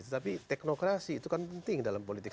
tetapi teknokrasi itu kan penting dalam politik